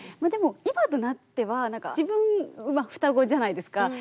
でも今となってはなんか自分双子じゃないですか。